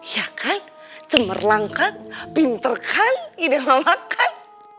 ya kan cemerlang kan pinter kan ide mama kan